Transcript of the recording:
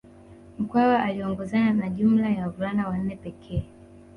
Mkwawa aliongozana na jumla ya wavulana wanne pekee